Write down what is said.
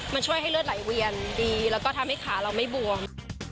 มันช่วยให้เลือดไหลเวียนดีแล้วก็ทำให้ขาเราไม่บวม